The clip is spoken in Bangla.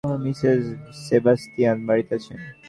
মিসেস সেবাস্টিয়ান বাড়িতে আছেন?